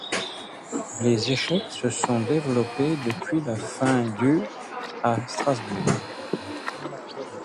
Les échecs se sont développés depuis la fin du à Strasbourg.